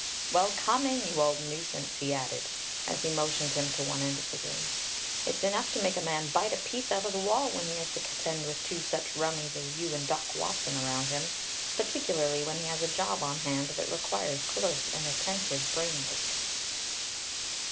"Well, come in, you old nuisance," he added, as he motioned him to one end of the room. "It's enough to make a man bite a piece out of the wall when he has to contend with two such rummies as you and Doc Watson around him, particularly when he has a job on hand that requires close and attentive brain work."